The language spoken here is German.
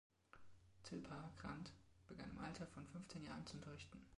Zilpah Grant begann im Alter von fünfzehn Jahren zu unterrichten.